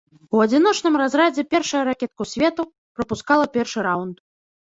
У адзіночным разрадзе першая ракетка свету прапускала першы раунд.